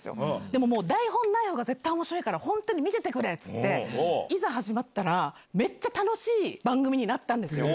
でももう、台本ないほうが絶対おもしろいから、本当に見ててくれって言って、いざ始まったら、めっちゃ楽しい番組になったんですよ。